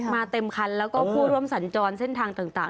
เต็มคันแล้วก็ผู้ร่วมสัญจรเส้นทางต่าง